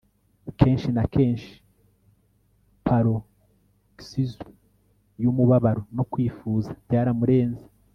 Kenshi na kenshi paroxysms yumubabaro no kwifuza byaramurenze